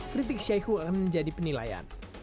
kritik syahiku akan menjadi penilaian